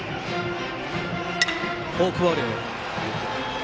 フォークボール。